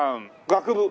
学部？